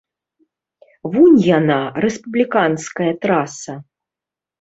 Вунь яна, рэспубліканская траса.